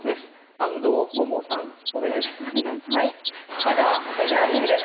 安藤萌々さん、お願いします。